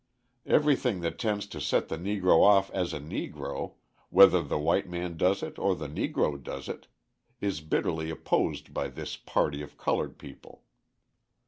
Everything that tends to set the Negro off as a Negro, whether the white man does it or the Negro does it, is bitterly opposed by this party of coloured people.